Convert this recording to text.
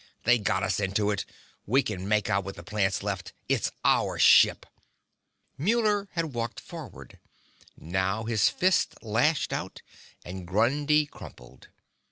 They got us into it! We can make out with the plants left! It's our ship!" Muller had walked forward. Now his fist lashed out, and Grundy crumpled.